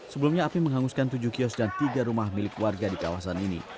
sebelumnya api menghanguskan tujuh kios dan tiga rumah milik warga di kawasan ini